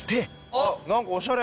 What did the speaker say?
あっ何かおしゃれ。